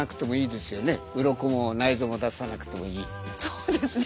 そうですね。